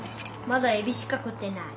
まだえびしか食ってない。